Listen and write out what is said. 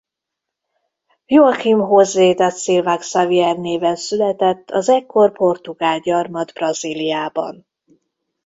Joaquim José da Silva Xavier néven született az ekkor portugál gyarmat Brazíliában.